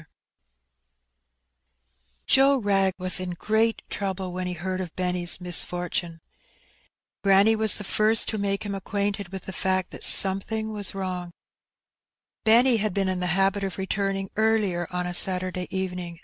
With Mr La wrence than JOE WRA6 was in greftt trouble when ^ he heard oi Bennys mia lortune Granny w the first to make h"" iLcquamted with the fact that something was wrong BennJ had been in the h&bit of returning earlier on a Saturday even ~ _j '°?